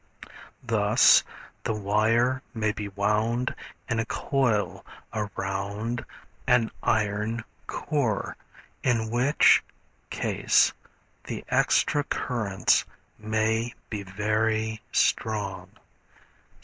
Thus the wire may be wound in a coil around an iron core, in which case the extra currents may be very strong.